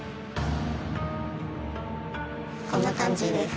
こんな感じです。